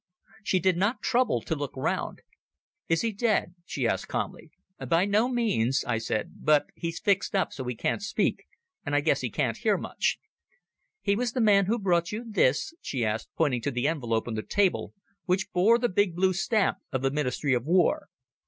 She did not trouble to look round. "Is he dead?" she asked calmly. "By no means," I said, "but he's fixed so he can't speak, and I guess he can't hear much." "He was the man who brought you this?" she asked, pointing to the envelope on the table which bore the big blue stamp of the Ministry of War.